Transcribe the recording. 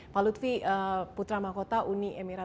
pak lutfi putra makota uni emirat as